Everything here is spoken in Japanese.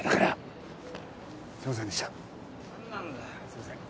すいません。